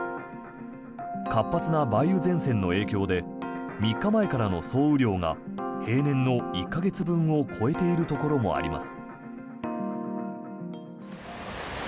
活発な梅雨前線の影響で３日前からの総雨量が平年の１か月分を超えているところもあります。